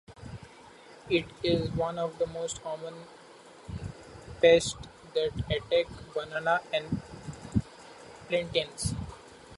It is one of the most common pest that attack banana and plantains.